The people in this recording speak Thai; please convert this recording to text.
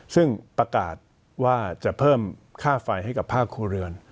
ซึ่งประกาศว่าจะเพิ่มค่าไฟให้กับภาคครัวเรือน